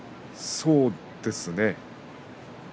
そうですね。